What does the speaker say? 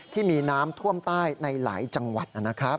ที่มีน้ำท่วมใต้ในหลายจังหวัดนะครับ